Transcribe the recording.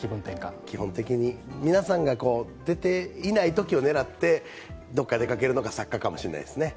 気分的に、皆さんが出ていないときを狙って、どこか出かけるのが作家かもしれないですね。